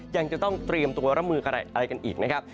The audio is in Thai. ยังจะต้องเตรียมตัวรับมืออะไรกันอีกนะครับ